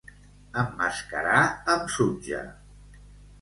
Emmascarar amb sutge.